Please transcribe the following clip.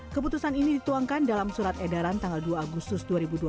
keputusan ini dituangkan dalam surat edaran tanggal dua agustus dua ribu dua puluh